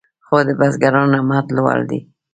خو د بزګرانو همت لوړ دی.